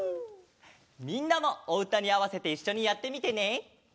みんなもおうたにあわせていっしょにやってみてね。